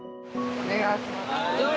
お願いします。